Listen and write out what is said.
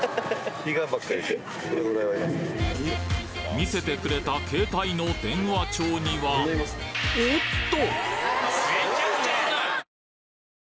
見せてくれた携帯の電話帳にはおっと！